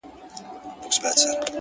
په سترگو دي ړنده سم’ که بل چا ته درېږم’